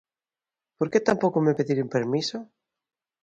¿Por que tampouco me pediron permiso?